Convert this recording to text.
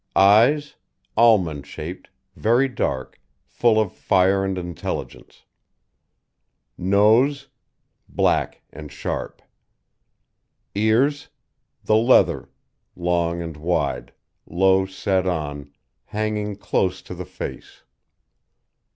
EYES Almond shaped, very dark, full of fire and intelligence. NOSE Black and sharp. EARS The leather long and wide, low set on, hanging close to the face.